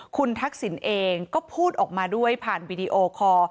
คุณทักษิณเองก็พูดออกมาด้วยผ่านวีดีโอคอร์